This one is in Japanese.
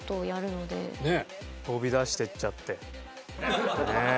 飛び出してっちゃってねえ。